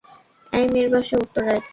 এই মেয়ের বাসা উত্তরায়।